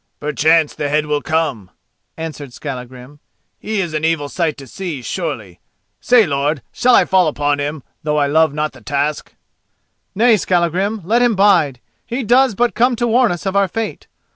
"Perchance the head will come," answered Skallagrim. "He is an evil sight to see, surely. Say, lord, shall I fall upon him, though I love not the task?" "Nay, Skallagrim, let him bide; he does but come to warn us of our fate.